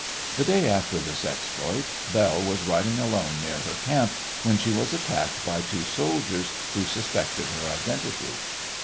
The day after this exploit Belle was riding alone near her camp, when she was attacked by two soldiers, who suspected her identity.